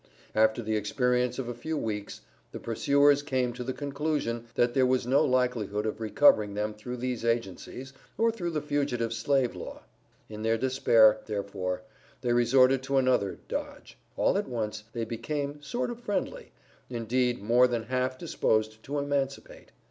After the experience of a few weeks, the pursuers came to the conclusion, that there was no likelihood of recovering them through these agencies, or through the Fugitive Slave Law. In their despair, therefore, they resorted to another "dodge." All at once they became "sort o' friendly" indeed more than half disposed to emancipate.